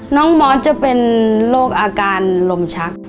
น้องมอธจะเป็นโรคอาการล่มทิตยังทีนี่นะ